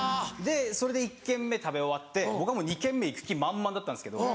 それで１軒目食べ終わって僕はもう２軒目行く気満々だったんですけど。